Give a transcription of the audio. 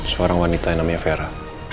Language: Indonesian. seorang wanita yang namanya vera